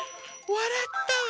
わらったわ！